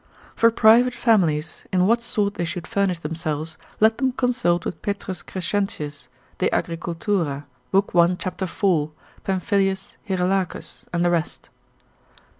For private families, in what sort they should furnish themselves, let them consult with P. Crescentius, de Agric. l. 1. c. 4, Pamphilius Hirelacus, and the rest.